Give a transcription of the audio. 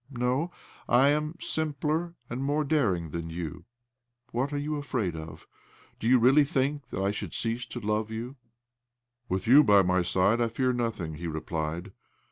" No, I am simpler and more daring than you. What are you afraid of? Do you really think that I should cease to love you? " "With you by my side I fear nothing," he replied.